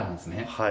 はい。